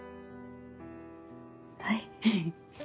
はい！